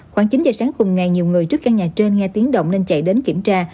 khoảng chín giờ sáng cùng ngày nhiều người trước căn nhà trên nghe tiếng động nên chạy đến kiểm tra